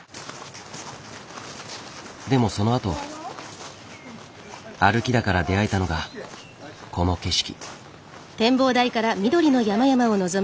でもそのあと歩きだから出会えたのがこの景色。